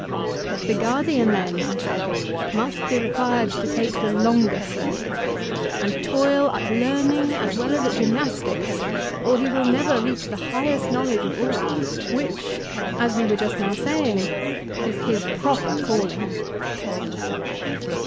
The guardian then, I said, must be required to take the longer circuit, and toil at learning as well as at gymnastics, or he will never reach the highest knowledge of all which, as we were just now saying, is his proper calling.